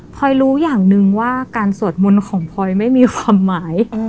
พอยรู้อย่างหนึ่งว่าการสวดมนต์ของพลอยไม่มีความหมาย